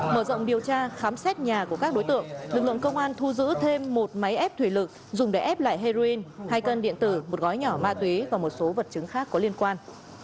mở rộng điều tra khám xét nhà của các đối tượng lực lượng công an thu giữ thêm một máy ép thủy lực dùng để ép lại heroin hai cân điện tử một gói nhỏ ma túy và một số vật chứng khác có liên quan